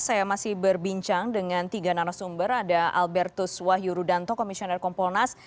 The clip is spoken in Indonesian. saya masih berbincang dengan tiga nanasumber ada albertus wah yurudanto komisioner kompolnas